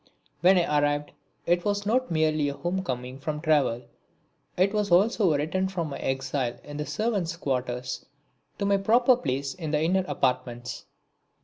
When I arrived it was not merely a home coming from travel, it was also a return from my exile in the servants' quarters to my proper place in the inner apartments.